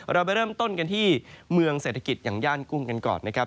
เราไปเริ่มต้นกันที่เมืองเศรษฐกิจอย่างย่านกุ้งกันก่อนนะครับ